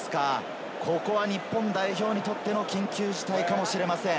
ここは日本代表にとっての緊急事態かもしれません。